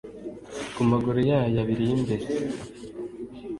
Ku maguru yayo abiri y'imbere